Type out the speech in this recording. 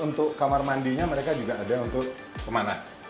untuk kamar mandinya mereka juga ada untuk pemanas